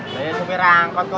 ini cuma rangkot nyusu